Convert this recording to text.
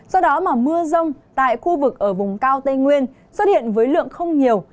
do đó mà mưa rông tại khu vực ở vùng cao tây nguyên xuất hiện với lượng không nhiều